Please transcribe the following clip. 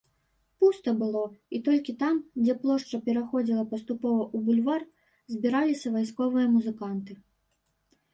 Пуста было, і толькі там, дзе плошча пераходзіла паступова ў бульвар, збіраліся вайсковыя музыканты.